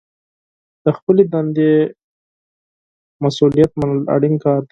د خپلې دندې مسوولیت منل اړین کار دی.